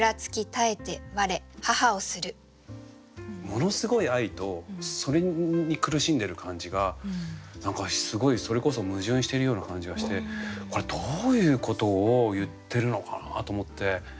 ものすごい愛とそれに苦しんでる感じが何かすごいそれこそ矛盾しているような感じがしてこれどういうことを言ってるのかなと思って。